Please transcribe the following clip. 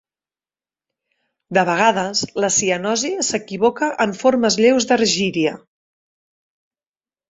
De vegades, la cianosi s'equivoca en formes lleus d'argíria.